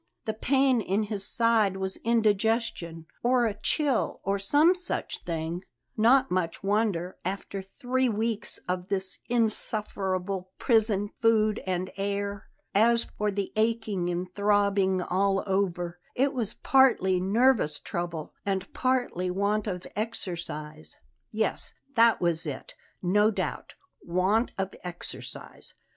The pain in his side was indigestion, or a chill, or some such thing; not much wonder, after three weeks of this insufferable prison food and air. As for the aching and throbbing all over, it was partly nervous trouble and partly want of exercise. Yes, that was it, no doubt; want of exercise.